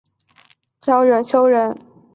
张懋修人。